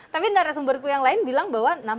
tapi dari sumberku yang lain bilang bahwa